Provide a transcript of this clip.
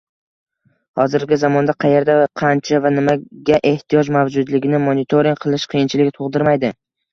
Hozirgi zamonda qayerda, qancha va nimaga ehtiyoj mavjudligini monitoring qilish qiyinchilik tug‘dirmaydi.